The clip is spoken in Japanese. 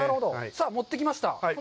さあ持ってきました。